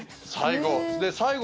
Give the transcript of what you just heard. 最後。